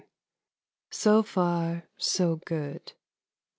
So far so good.